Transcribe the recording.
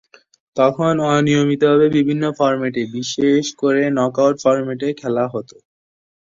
তখন অনিয়মিতভাবে বিভিন্ন ফরম্যাটে বিশেষ করে নকআউট ফরম্যাটে খেলা হত।